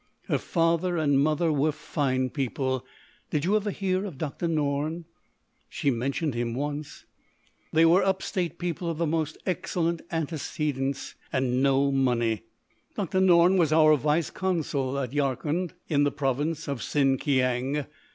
Her father and mother were fine people. Did you ever hear of Dr. Norne?" "She mentioned him once." "They were up State people of most excellent antecedents and no money. "Dr. Norne was our Vice Consul at Yarkand in the province of Sin Kiang.